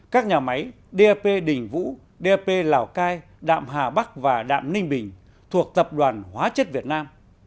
các nhà máy dap đình vũ dp lào cai đạm hà bắc và đạm ninh bình thuộc tập đoàn hóa chất việt nam